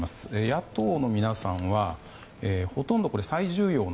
野党の皆さんはほとんど最重要。